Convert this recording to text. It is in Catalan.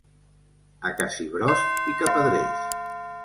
A Cassibrós, picapedrers.